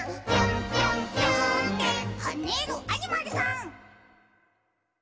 「はねろアニマルさん！」